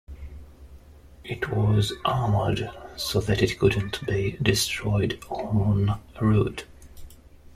It was armoured so that it couldn't be destroyed en route.